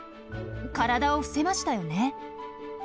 体を伏せましたよね。